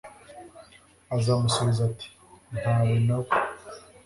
azamusubiza ati nta we na we